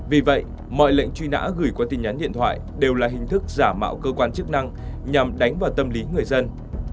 vì vậy mọi lệnh truy nã gửi qua tin nhắn điện thoại đều là hình thức giả mạo cơ quan chức năng nhằm đánh vào tâm lý người dân